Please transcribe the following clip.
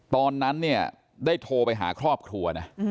ตอนนั้นได้โทรไปหาครอบครัว